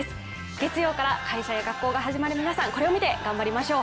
月曜から会社や学校が始まる皆さん、これを見て頑張りましょう。